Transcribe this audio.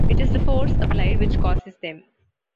It is the force applied which causes them.